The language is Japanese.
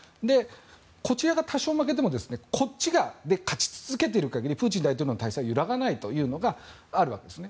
こちらが多少負けてもこっちで勝ち続けている限りプーチン大統領の体制は揺るがないというのがあるわけですね。